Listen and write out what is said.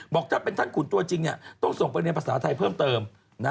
บอกถ้าเป็นท่านขุนตัวจริงต้องส่งไปเรียนภาษาไทยเพิ่มเติม